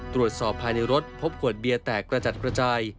ตรวจสอบภายในรถพบขวดเบียร์แตกกระจัดกระจาย